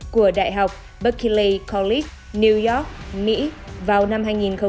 của đại học berkeley college new york mỹ vào năm hai nghìn một mươi hai